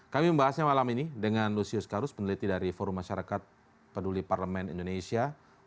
kami membahasnya malam ini dengan lusius karus peneliti dari forum masyarakat peduli parlemen indonesia